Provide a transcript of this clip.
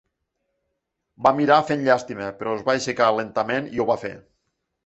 Va mirar fent llàstima, però es va aixecar lentament i ho va fer.